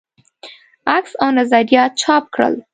عکس او نظریات چاپ کړل.